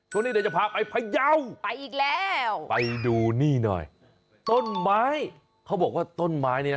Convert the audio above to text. ตอนนี้เดี๋ยวจะพาไปพายาวไปดูหนี้หน่อยต้นไม้เขาบอกว่าต้นไม้นี่นะ